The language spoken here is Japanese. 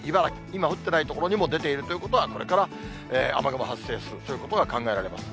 今降ってない所にも出ているということは、これから雨雲発生するということが考えられます。